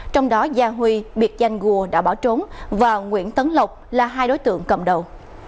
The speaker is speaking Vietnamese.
trong đó gia huy biệt danh gùa đã bỏ trốn và nguyễn tấn lộc là hai đối tượng cầm đầu